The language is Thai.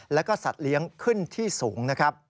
และก็สัตว์เลี้ยงขึ้นที่สูง